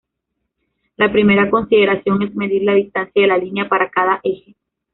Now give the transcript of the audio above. La primera consideración es medir la distancia de la línea para cada eje.